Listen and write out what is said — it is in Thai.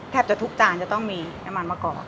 แทบจะทุกจานจะต้องมีน้ำมันมะกอก